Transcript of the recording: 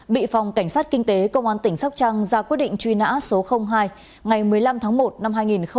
bị phòng cảnh sát kinh tế công an tỉnh sóc trăng ra quyết định truy nã số hai ngày một mươi năm tháng một năm hai nghìn một mươi ba